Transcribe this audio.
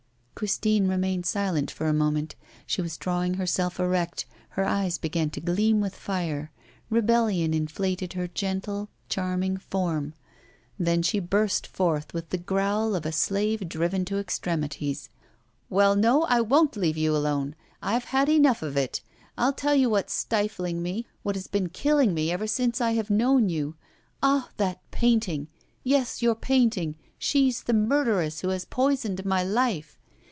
Christine remained silent for a moment. She was drawing herself erect, her eyes began to gleam with fire, rebellion inflated her gentle, charming form. Then she burst forth, with the growl of a slave driven to extremities. 'Well, no, I won't leave you alone! I've had enough of it. I'll tell you what's stifling me, what has been killing me ever since I have known you. Ah! that painting, yes, your painting, she's the murderess who has poisoned my life!